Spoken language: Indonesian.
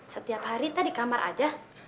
setiap hari kita di kamar aja